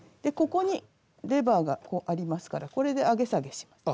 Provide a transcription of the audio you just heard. ここにレバーがこうありますからこれで上げ下げします。